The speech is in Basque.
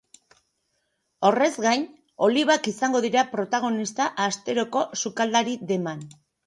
Horrez gain, olibak izango dira protagonista asteroko sukaldari deman.